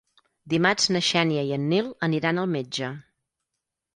Dimarts na Xènia i en Nil aniran al metge.